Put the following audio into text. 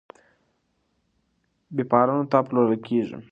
بېپارانو ته پلورل کیږي.